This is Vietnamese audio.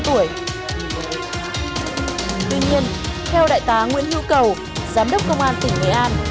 tuy nhiên theo đại tá nguyễn hữu cầu giám đốc công an tỉnh nghệ an